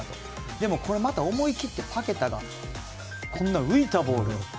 でも、また思い切ってパケタがこんな浮いたボールを。